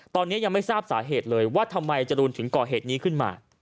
ตอนนี้ยังไม่ทราบสาเหตุเลยว่าทำไมจรูนถึงก่อเหตุนี้ขึ้นมา